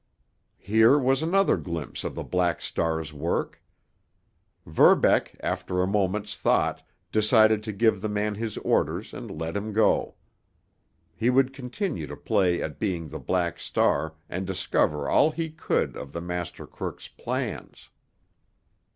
Here was another glimpse of the Black Star's work. Verbeck, after a moment's thought, decided to give the man his orders and let him go. He would continue to play at being the Black Star and discover all he could of the master crook's plans.